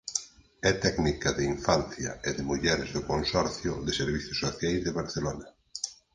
É técnica de Infancia e de mulleres do Consorcio de Servizos Sociais de Barcelona.